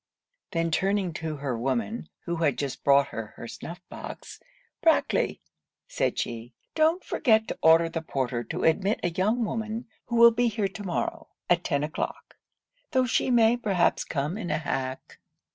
Then turning to her woman, who had just brought her her snuff box, 'Brackley,' said she, 'don't forget to order the porter to admit a young woman who will be here to morrow, at ten o'clock; tho' she may perhaps come in a hack.'